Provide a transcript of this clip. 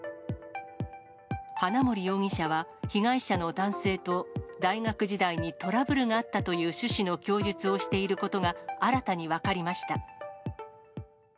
花森容疑者は、被害者の男性と大学時代にトラブルがあったという趣旨の供述をしていることが、新たに分かりました。